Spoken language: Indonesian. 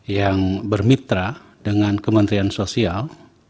yang bermitra dengan kementerian sosial